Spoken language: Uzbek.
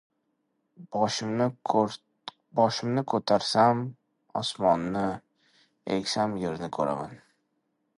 • Boshimni ko‘tarsam osmonni, egsam yerni ko‘raman.